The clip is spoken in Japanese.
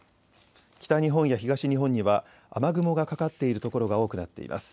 北日本や東日本には雨雲がかかっている所が多くなっています。